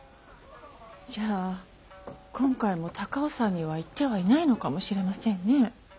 じゃあ今回も高尾山には行ってはいないのかもしれませんね。